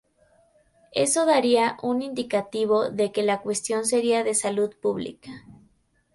Eso daría un indicativo de que la cuestión sería de salud pública.